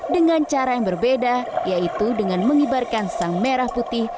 dengan cara yang berbeda yaitu dengan mengibarkan sang merah putih